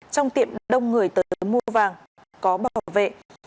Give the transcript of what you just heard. trong tiệm đông người tới mua vàng có bảo vệ